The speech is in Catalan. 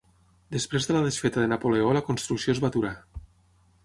Després de la desfeta de Napoleó la construcció es va aturar.